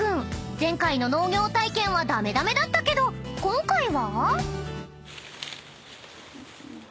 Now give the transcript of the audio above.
前回の農業体験は駄目駄目だったけど今回は？］